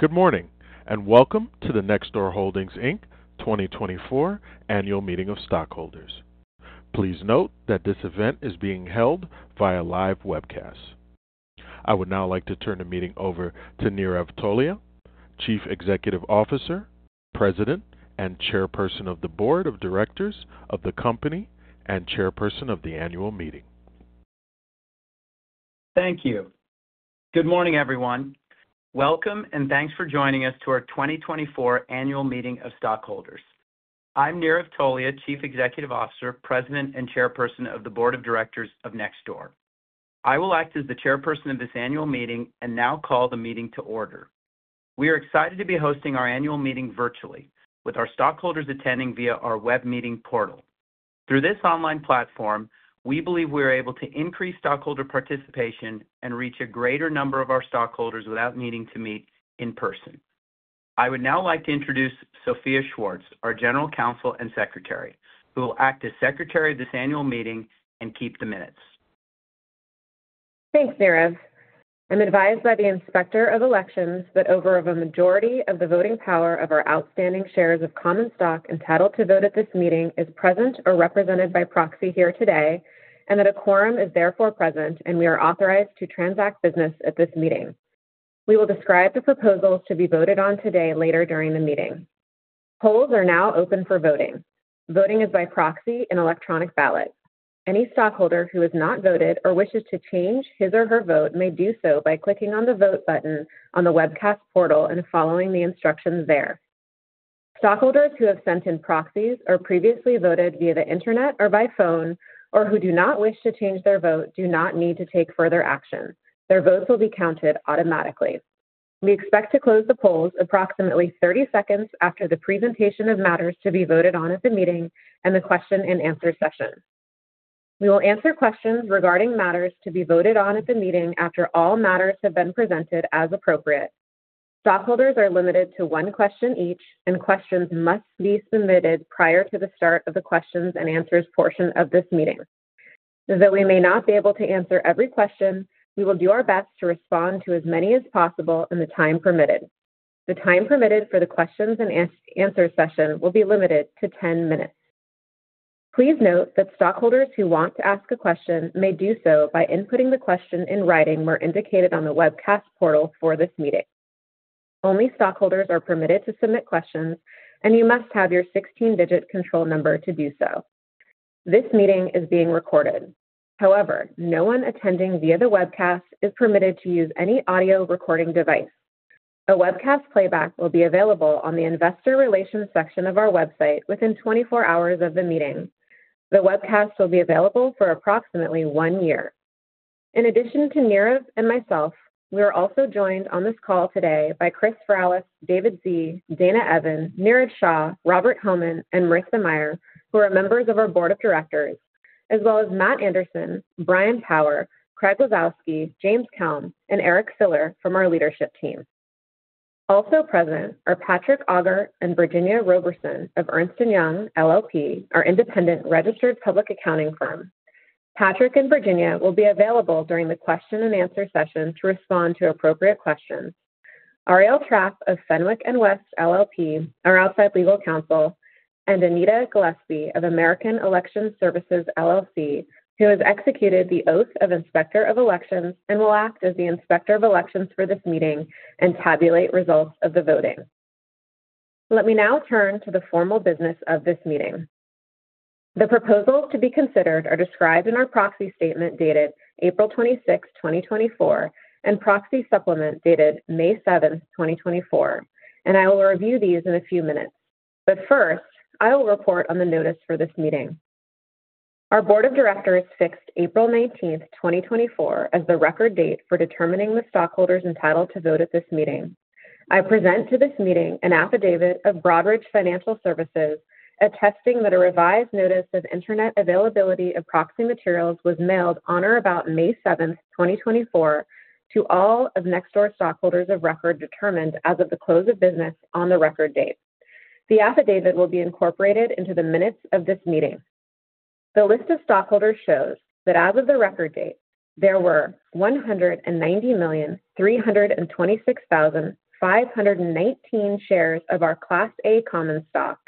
Good morning, and welcome to the Nextdoor Holdings, Inc. 2024 Annual Meeting of Stockholders. Please note that this event is being held via live webcast. I would now like to turn the meeting over to Nirav Tolia, Chief Executive Officer, President, and Chairperson of the Board of Directors of the company and Chairperson of the Annual Meeting. Thank you. Good morning, everyone. Welcome, and thanks for joining us to our 2024 Annual Meeting of Stockholders. I'm Nirav Tolia, Chief Executive Officer, President, and Chairperson of the Board of Directors of Nextdoor. I will act as the Chairperson of this Annual Meeting and now call the meeting to order. We are excited to be hosting our Annual Meeting virtually, with our stockholders attending via our web meeting portal. Through this online platform, we believe we are able to increase stockholder participation and reach a greater number of our stockholders without needing to meet in person. I would now like to introduce Sophia Schwartz, our General Counsel and Secretary, who will act as Secretary of this Annual Meeting and keep the minutes. Thanks, Nirav. I'm advised by the Inspector of Elections that a majority of the voting power of our outstanding shares of common stock entitled to vote at this meeting is present or represented by proxy here today, and that a quorum is therefore present and we are authorized to transact business at this meeting. We will describe the proposals to be voted on today later during the meeting. Polls are now open for voting. Voting is by proxy and electronic ballot. Any stockholder who has not voted or wishes to change his or her vote may do so by clicking on the vote button on the webcast portal and following the instructions there. Stockholders who have sent in proxies or previously voted via the internet or by phone, or who do not wish to change their vote, do not need to take further action. Their votes will be counted automatically. We expect to close the polls approximately 30 seconds after the presentation of matters to be voted on at the meeting and the question and answer session. We will answer questions regarding matters to be voted on at the meeting after all matters have been presented as appropriate. Stockholders are limited to one question each, and questions must be submitted prior to the start of the questions and answers portion of this meeting. Though we may not be able to answer every question, we will do our best to respond to as many as possible in the time permitted. The time permitted for the questions and answers session will be limited to 10 minutes. Please note that stockholders who want to ask a question may do so by inputting the question in writing where indicated on the webcast portal for this meeting. Only stockholders are permitted to submit questions, and you must have your 16-digit control number to do so. This meeting is being recorded. However, no one attending via the webcast is permitted to use any audio recording device. A webcast playback will be available on the investor relations section of our website within 24 hours of the meeting. The webcast will be available for approximately one year. In addition to Nirav and myself, we are also joined on this call today by Chris Varelas, David Sze, Dana Evan, Niraj Shah, Robert Hohman, and Marissa Mayer, who are members of our Board of Directors, as well as Matt Anderson, Bryan Power, Craig Lisowski, James Kelm, and Eric Filler from our leadership team. Also present are Patrick Auger and Virginia Roberson of Ernst & Young LLP, our independent registered public accounting firm. Patrick and Virginia will be available during the question and answer session to respond to appropriate questions. Arielle Trapp of Fenwick & West LLP, our outside legal counsel, and Anita Gillespie of American Election Services, LLC, who has executed the oath of Inspector of Elections and will act as the Inspector of Elections for this meeting and tabulate results of the voting. Let me now turn to the formal business of this meeting. The proposals to be considered are described in our proxy statement dated April 26, 2024, and proxy supplement dated May 7, 2024, and I will review these in a few minutes. But first, I will report on the notice for this meeting. Our Board of Directors fixed April 19, 2024, as the record date for determining the stockholders entitled to vote at this meeting. I present to this meeting an affidavit of Broadridge Financial Services attesting that a revised notice of internet availability of proxy materials was mailed on or about May 7, 2024, to all of Nextdoor stockholders of record determined as of the close of business on the record date. The affidavit will be incorporated into the minutes of this meeting. The list of stockholders shows that as of the record date, there were 190,326,519 shares of our Class A common stock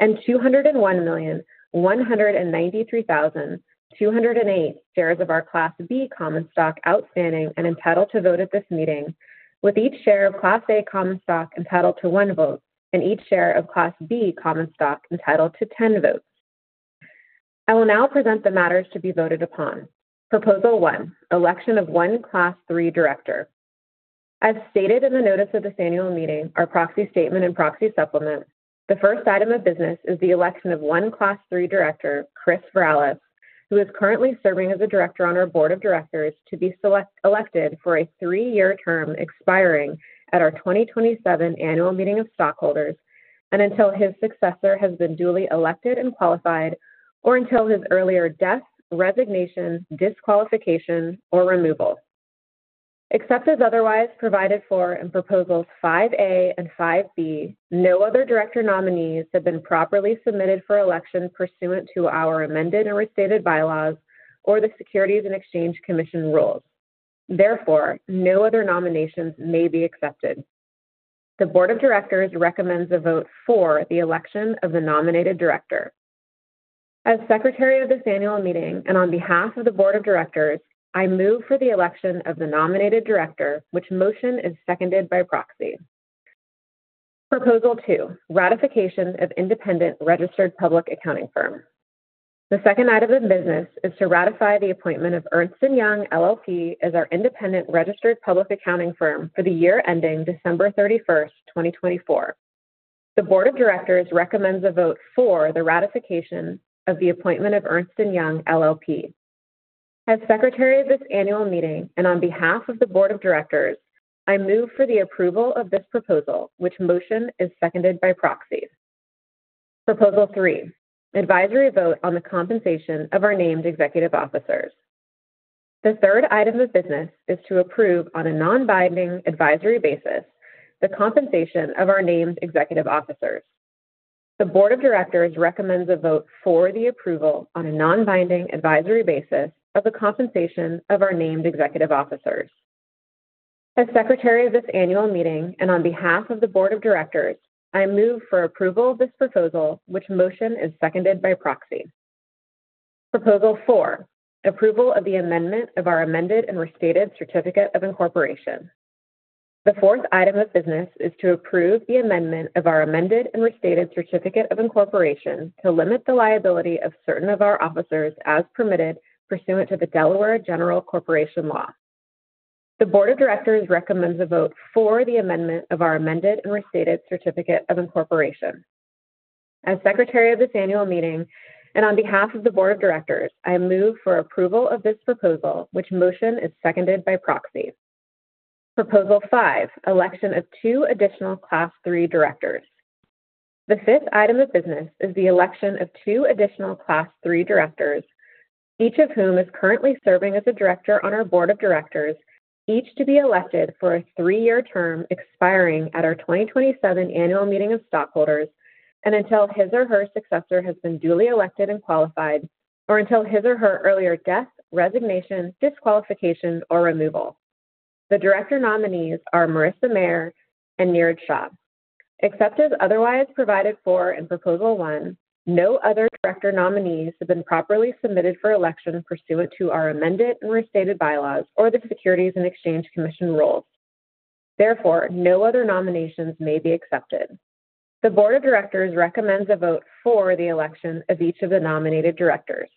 and 201,193,208 shares of our Class B common stock outstanding and entitled to vote at this meeting, with each share of Class A common stock entitled to one vote and each share of Class B common stock entitled to 10 votes. I will now present the matters to be voted upon. Proposal One, election of one Class Three Director. As stated in the notice of this Annual Meeting, our proxy statement and proxy supplement, the first item of business is the election of one Class Three Director, Chris Varelas, who is currently serving as a director on our Board of Directors to be elected for a three-year term expiring at our 2027 Annual Meeting of Stockholders and until his successor has been duly elected and qualified, or until his earlier death, resignation, disqualification, or removal. Except as otherwise provided for in Proposals 5A and 5B, no other director nominees have been properly submitted for election pursuant to our amended and restated bylaws or the Securities and Exchange Commission rules. Therefore, no other nominations may be accepted. The Board of Directors recommends a vote for the election of the nominated director. As Secretary of this Annual Meeting and on behalf of the Board of Directors, I move for the election of the nominated director, which motion is seconded by proxy. Proposal two, ratification of independent registered public accounting firm. The second item of business is to ratify the appointment of Ernst & Young LLP as our independent registered public accounting firm for the year ending December 31, 2024. The Board of Directors recommends a vote for the ratification of the appointment of Ernst & Young LLP. As Secretary of this Annual Meeting and on behalf of the Board of Directors, I move for the approval of this proposal, which motion is seconded by proxy. Proposal three, advisory vote on the compensation of our named executive officers. The third item of business is to approve on a non-binding advisory basis the compensation of our named executive officers. The Board of Directors recommends a vote for the approval on a non-binding advisory basis of the compensation of our named executive officers. As Secretary of this Annual Meeting and on behalf of the Board of Directors, I move for approval of this proposal, which motion is seconded by proxy. Proposal Four, approval of the amendment of our amended and restated certificate of incorporation. The fourth item of business is to approve the amendment of our amended and restated certificate of incorporation to limit the liability of certain of our officers as permitted pursuant to the Delaware General Corporation Law. The Board of Directors recommends a vote for the amendment of our amended and restated certificate of incorporation. As Secretary of this Annual Meeting and on behalf of the Board of Directors, I move for approval of this proposal, which motion is seconded by proxy. Proposal Five, election of two additional Class Three Directors. The fifth item of business is the election of two additional Class Three Directors, each of whom is currently serving as a director on our Board of Directors, each to be elected for a three-year term expiring at our 2027 Annual Meeting of Stockholders and until his or her successor has been duly elected and qualified, or until his or her earlier death, resignation, disqualification, or removal. The director nominees are Marissa Mayer and Niraj Shah. Except as otherwise provided for in Proposal One, no other director nominees have been properly submitted for election pursuant to our amended and restated bylaws or the Securities and Exchange Commission rules. Therefore, no other nominations may be accepted. The Board of Directors recommends a vote for the election of each of the nominated directors.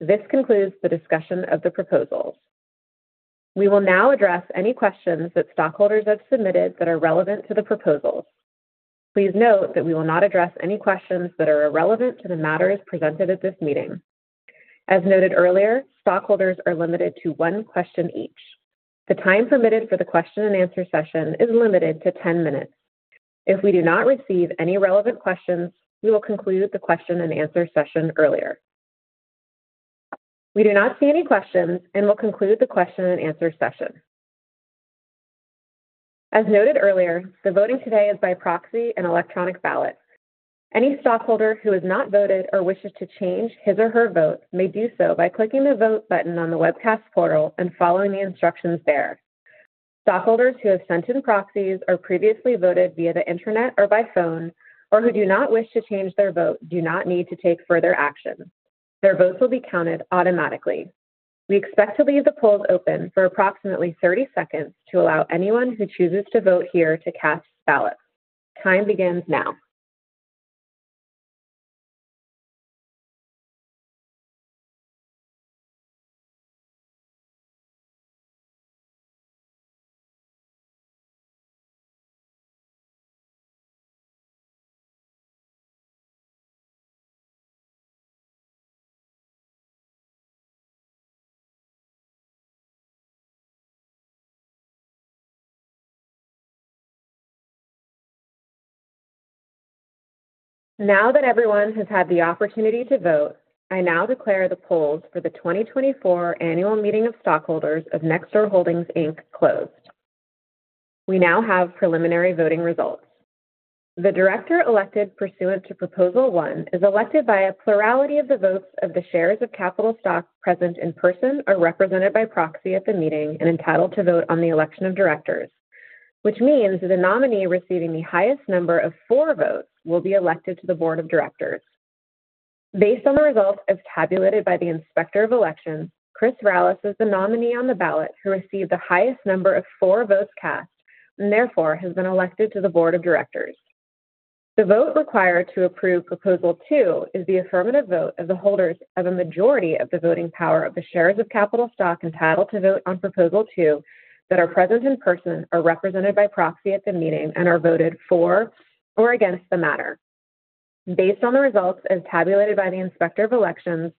This concludes the discussion of the proposals. We will now address any questions that stockholders have submitted that are relevant to the proposals. Please note that we will not address any questions that are irrelevant to the matters presented at this meeting. As noted earlier, stockholders are limited to one question each. The time permitted for the question and answer session is limited to 10 minutes. If we do not receive any relevant questions, we will conclude the question and answer session earlier. We do not see any questions and will conclude the question and answer session. As noted earlier, the voting today is by proxy and electronic ballot. Any stockholder who has not voted or wishes to change his or her vote may do so by clicking the vote button on the webcast portal and following the instructions there. Stockholders who have sent in proxies or previously voted via the internet or by phone, or who do not wish to change their vote, do not need to take further action. Their votes will be counted automatically. We expect to leave the polls open for approximately 30 seconds to allow anyone who chooses to vote here to cast ballots. Time begins now. Now that everyone has had the opportunity to vote, I now declare the polls for the 2024 Annual Meeting of Stockholders of Nextdoor Holdings, Inc. closed. We now have preliminary voting results. The director elected pursuant to Proposal One is elected by a plurality of the votes of the shares of capital stock present in person or represented by proxy at the meeting and entitled to vote on the election of directors, which means that the nominee receiving the highest number of for votes will be elected to the Board of Directors. Based on the results as tabulated by the Inspector of Elections, Chris Varelas is the nominee on the ballot who received the highest number of four votes cast and therefore has been elected to the Board of Directors. The vote required to approve Proposal Two is the affirmative vote of the holders of a majority of the voting power of the shares of capital stock entitled to vote on Proposal Two that are present in person or represented by proxy at the meeting and are voted for or against the matter. Based on the results as tabulated by the Inspector of Elections,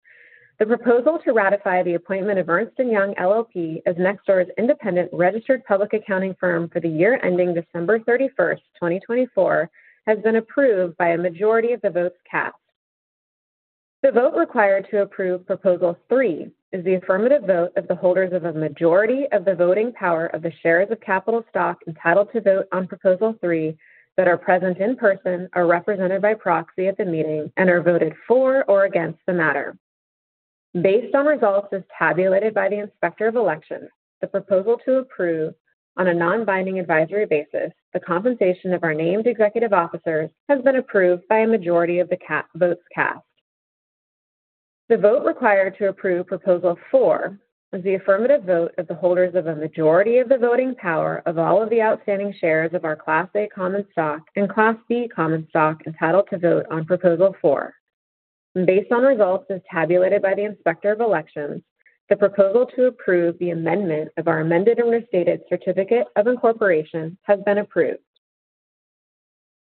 the proposal to ratify the appointment of Ernst & Young LLP as Nextdoor's independent registered public accounting firm for the year ending December 31, 2024, has been approved by a majority of the votes cast. The vote required to approve Proposal Three is the affirmative vote of the holders of a majority of the voting power of the shares of capital stock entitled to vote on Proposal Three that are present in person or represented by proxy at the meeting and are voted for or against the matter. Based on results as tabulated by the Inspector of Elections, the proposal to approve on a non-binding advisory basis the compensation of our named executive officers has been approved by a majority of the votes cast. The vote required to approve Proposal Four is the affirmative vote of the holders of a majority of the voting power of all of the outstanding shares of our Class A common stock and Class B common stock entitled to vote on Proposal Four. Based on results as tabulated by the Inspector of Elections, the proposal to approve the amendment of our amended and restated certificate of incorporation has been approved.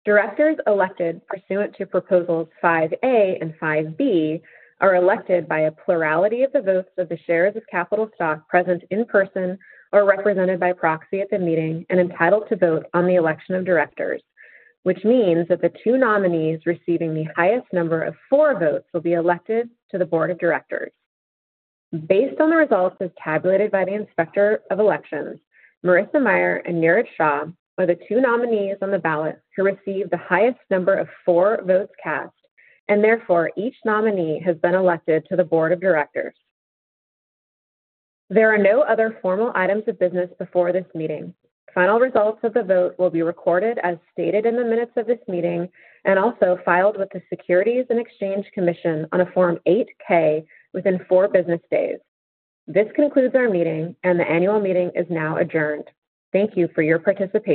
Directors elected pursuant to Proposals 5A and 5B are elected by a plurality of the votes of the shares of capital stock present in person or represented by proxy at the meeting and entitled to vote on the election of directors, which means that the two nominees receiving the highest number of for votes will be elected to the Board of Directors. Based on the results as tabulated by the Inspector of Elections, Marissa Mayer and Niraj Shah are the two nominees on the ballot who received the highest number of for votes cast, and therefore each nominee has been elected to the Board of Directors. There are no other formal items of business before this meeting. Final results of the vote will be recorded as stated in the minutes of this meeting and also filed with the Securities and Exchange Commission on a Form 8-K within four business days. This concludes our meeting, and the Annual Meeting is now adjourned. Thank you for your participation.